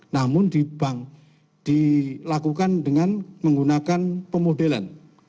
namun di bank dilakukan dengan menggunakan pemodelan